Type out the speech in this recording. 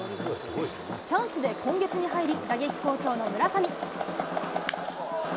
チャンスで今月に入り打撃好調の村上。